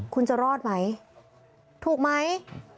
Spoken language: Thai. คุณจะรอดไหมถูกไหม